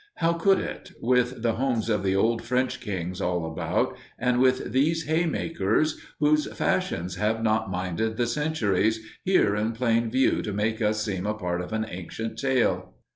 How could it, with the homes of the old French kings all about, and with these haymakers, whose fashions have not minded the centuries, here in plain view to make us seem a part of an ancient tale?